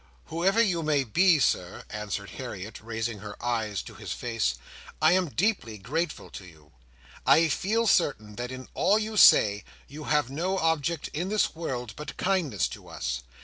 "Whoever you may be, Sir," answered Harriet, raising her eyes to his face, "I am deeply grateful to you. I feel certain that in all you say, you have no object in the world but kindness to us.